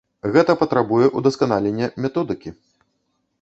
Гэта патрабуе ўдасканалення методыкі.